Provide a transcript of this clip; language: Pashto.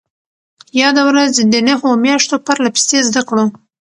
ياده ورځ د نهو مياشتو پرلهپسې زدهکړو